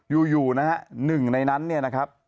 อยู่นะฮะหนึ่งในนั้นเนี่ยนะครับ